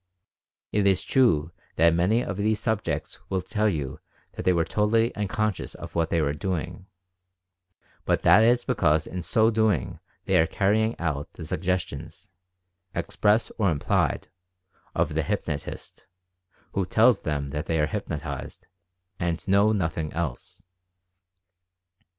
It is true that many of these subjects will tell you that they were totally unconscious of what they were doing, but that is because in so doing they are carrying out the suggestions, express or implied, of the hypnotist, who tells them that they are 'hypnotized" and know nothing else.